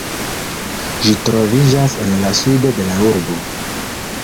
Ĝi troviĝas en la sudo de la urbo.